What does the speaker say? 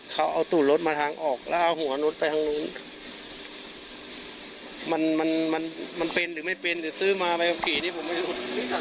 เขาเอาตูดรถมาทางออกแล้วเอาหัวรถไปทางนู้นมันมันมันเป็นหรือไม่เป็นหรือซื้อมาไปกี่นี่ผมไม่รู้